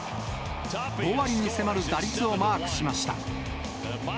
５割に迫る打率をマークしました。